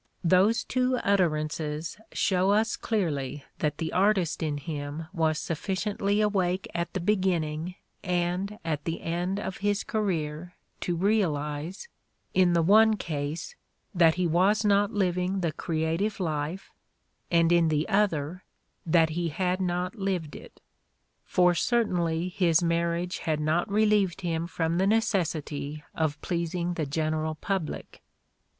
Those two utterances show us clearly that the artist in him was \ sufficiently awake at the beginning and at the end of "^his career to realize, in the one case, that he was not living the creative life, and in the other that he had not lived it — for certainly his marriage had not relieved him from the necessity of pleasing the general public